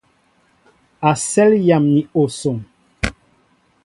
Asέl yam ni osoŋ.